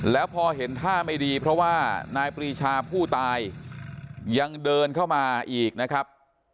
แล้วพอเห็นท่าไม่ดีเพราะว่านายปรีชาผู้ตายยังเดินเข้ามาอีกนะครับ